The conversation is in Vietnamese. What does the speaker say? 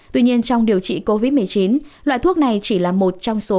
tuy nhiên trong điều trị covid một mươi chín loại thuốc này chỉ là một trong số